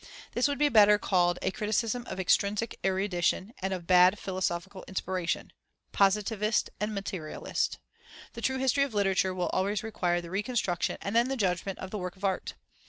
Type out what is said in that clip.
This would be better called a criticism of extrinsic erudition and of bad philosophical inspiration positivist and materialist. The true history of literature will always require the reconstruction and then the judgment of the work of art.